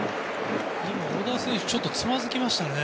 小田選手、ちょっとつまずきましたね。